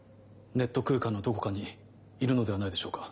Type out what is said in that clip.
ネット空間のどこかにいるのではないでしょうか？